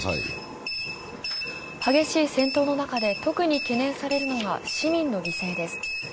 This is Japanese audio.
激しい戦闘の中で特に懸念されるのが市民の犠牲です。